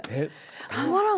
たまらん。